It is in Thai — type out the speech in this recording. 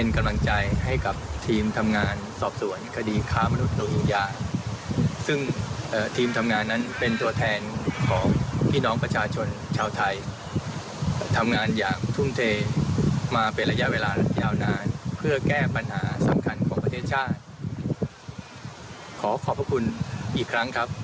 ขอขอบคุณอีกครั้งครับ